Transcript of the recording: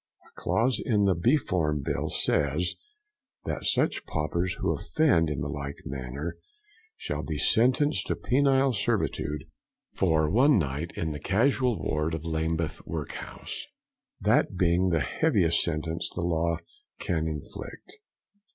A clause in the Beform Bill says that such paupers who offend in the like manner, shall be sentenced to penal servitude for one night in the casual ward of Lambeth work house that being the heaviest sentence the law can inflict.